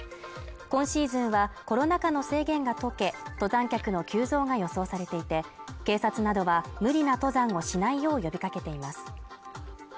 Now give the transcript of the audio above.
今シーズンはコロナ禍の制限が解け、登山客の急増が予想されていて、警察などは無理な登山をしないよう呼びかけています。